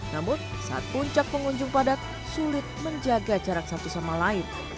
namun saat puncak pengunjung padat sulit menjaga jarak satu sama lain